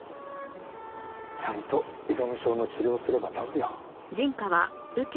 ちゃんと依存症の治療をすれば治るよ。